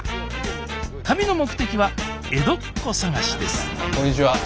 旅の目的は江戸っ子探しですこんにちは。